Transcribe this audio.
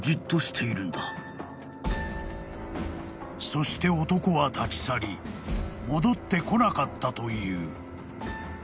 ［そして男は立ち去り戻ってこなかったという］